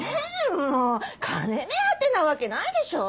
もう金目当てなわけないでしょ？